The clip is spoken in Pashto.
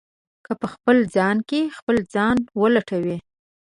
که په خپل ځان کې خپل ځان ولټوئ.